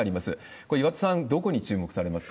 これ、岩田さん、どこに注目されますか？